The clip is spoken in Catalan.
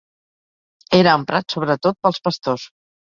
Era emprat sobretot pels pastors.